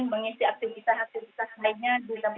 mengisi aktivitas aktivitas lainnya